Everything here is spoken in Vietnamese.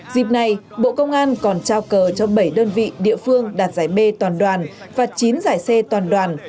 dịp này bộ công an còn trao cờ cho bảy đơn vị địa phương đạt giải b toàn đoàn và chín giải c toàn đoàn